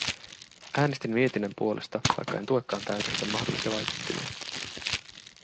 Äänestin mietinnön puolesta, vaikka en tuekaan täysin sen mahdollisia vaikuttimia.